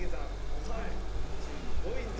おはぎ１２ポイント。